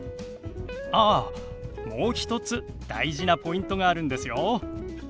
あっもう一つ大事なポイントがあるんですよ。